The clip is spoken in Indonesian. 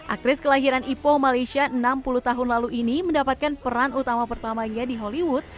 aktris kelahiran ipo malaysia enam puluh tahun lalu ini mendapatkan peran utama pertamanya di hollywood